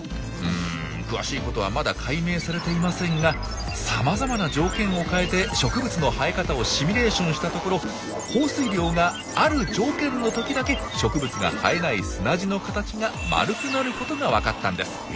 うん詳しいことはまだ解明されていませんがさまざまな条件を変えて植物の生え方をシミュレーションしたところ降水量がある条件の時だけ植物が生えない砂地の形が丸くなることがわかったんです。